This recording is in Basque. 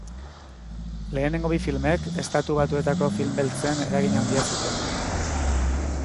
Lehenengo bi filmek Estatu Batuetako film beltzen eragin handia zuten.